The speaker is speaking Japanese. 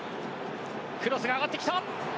クロスが上がってきた。